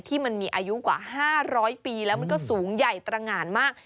ที่มีอายุกว่า๕๐๐ปีแล้วมันก็สูงใหญ่ตรงานมาก